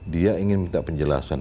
dia ingin minta penjelasan